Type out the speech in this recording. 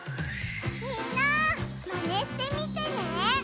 みんなマネしてみてね！